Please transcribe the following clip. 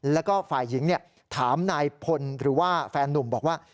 แล้วก็ฝ่ายหญิงถามนายพลหรือว่าแฟนนุ่มบอกว่า